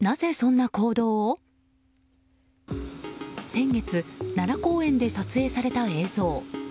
先月、奈良公園で撮影された映像。